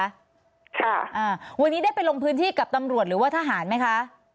ค่ะอ่าวันนี้ได้ไปลงพื้นที่กับตำรวจหรือว่าทหารไหมคะ